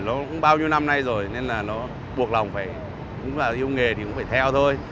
nó cũng bao nhiêu năm nay rồi nên là nó buộc lòng phải yêu nghề thì cũng phải theo thôi